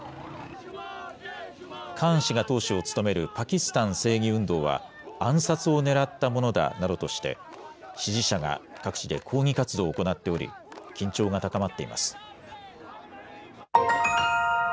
カーン氏が党首を務めるパキスタン正義運動は、暗殺を狙ったものだなどとして、支持者が各地で抗議活動を行っており、緊張が高まっています。